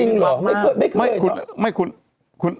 จริงหรอไม่เคย